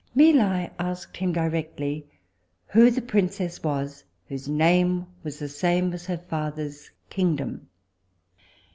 Mi Li asked him directly who the princess was whose name was the same with her father's kingdom?